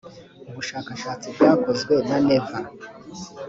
ubushakashatsi bwakozwe na neva .